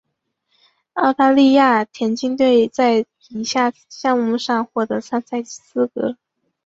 澳大利亚田径队在以下项目上获得参赛资格。